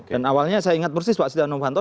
dan awalnya saya ingat bersih pak setia novanto